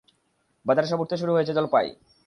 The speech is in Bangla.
বাজারে সব উঠতে শুরু হয়েছে জলপাই।